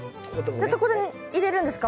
じゃあそこで入れるんですか？